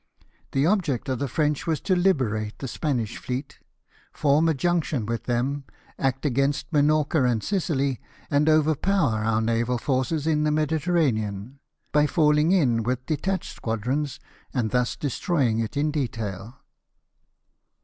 The object of the French was to liberate the IfULSOIf'6 POSITION. 181 Spanish fleet, form a junction with them, act against Minorca and Sicily, and overpower our naval force in the Mediterranean, by falling in with detached squadrons, and thus destroying it in detail.